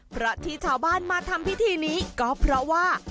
เพราะที่ชาวบ้านมาทำพิธีนี้ก็เพราะว่า